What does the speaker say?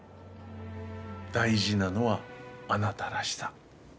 大事なのはあなたらしさ。